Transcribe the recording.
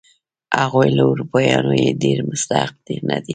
هغوی له اروپایانو یې ډېر مستحق نه دي.